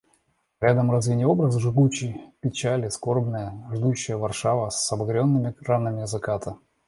А рядом разве не образ жгучей печали, скорбная, ждущая Варшава, с обагренными ранами заката?